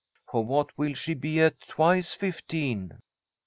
For what will she be at twice fifteen?"